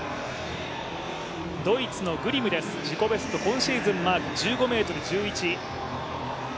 ドイツのグリムです、自己ベスト今シーズンマーク１５ｍ１１。